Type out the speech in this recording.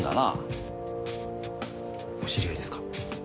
お知り合いですか？